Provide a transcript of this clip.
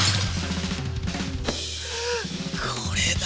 これだ。